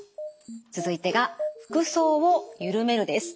続いてが服装をゆるめるです。